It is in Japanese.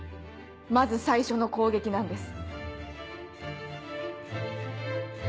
まず最初の攻撃なんです。